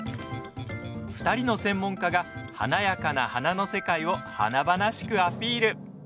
２人の専門家が華やかな花の世界を華々しくアピール。